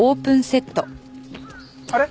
あれ？